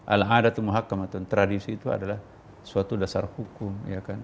al hadathu muhakkam tradisi itu adalah suatu dasar hukum